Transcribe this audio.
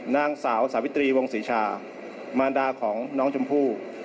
นางสาวสาวิตรีวงศรีชามารดาของน้องชมพู่